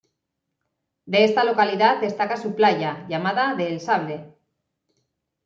De esta localidad destaca su playa, llamada de El Sable.